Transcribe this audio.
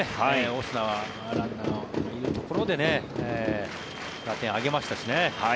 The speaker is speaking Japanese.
オスナはランナーがいるところで打点を挙げましたしね。